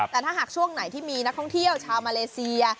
แต่ถ้าหากช่วงไหนที่มีนักท่องเที่ยวชาวมาเลเซีย